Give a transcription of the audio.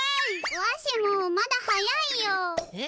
わしもまだ早いよ。えっ？